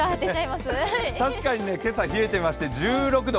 確かに今朝、冷えてまして１６度。